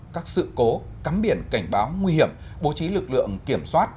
các sự cố cắm biển cảnh báo nguy hiểm bố trí lực lượng kiểm soát